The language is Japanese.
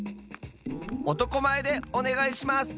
おとこまえでおねがいします！